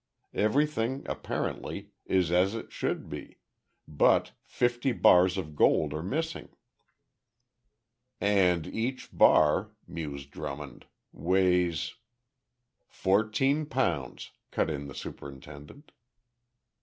Everything, apparently, is as it should be but fifty bars of gold are missing." "And each bar," mused Drummond, "weighs " "Fourteen pounds," cut in the superintendent.